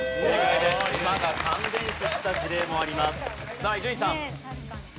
さあ伊集院さん。